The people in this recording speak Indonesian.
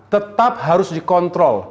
tetap harus dikontrol